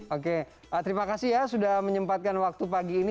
oke terima kasih ya sudah menyempatkan waktu pagi ini